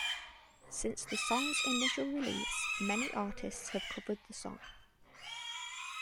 Since the song's initial release, many artists have covered the song.